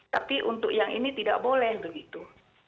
tapi untuk yang ini tidak boleh begitu